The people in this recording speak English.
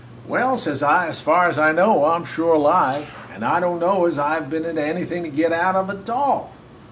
"'Well,' says I, 'as far as I know, I 'm sure alive; and I don't know as I 've been into anything to get out of a tall.'